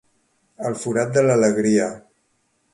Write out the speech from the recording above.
El forat de l'alegria.